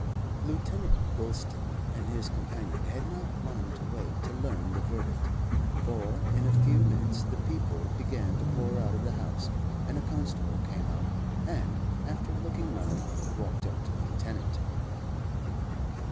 RUTH POWLETT. Lieutenant Gulston and his companion had not long to wait to learn the verdict, for in a few minutes the people began to pour out of the house, and a constable came out, and, after looking round, walked up to the lieutenant.